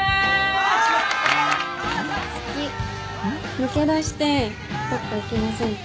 抜け出してどっか行きませんか？